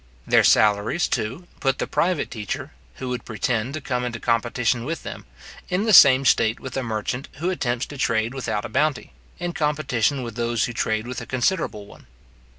Their salaries, too, put the private teacher, who would pretend to come into competition with them, in the same state with a merchant who attempts to trade without a bounty, in competition with those who trade with a considerable one.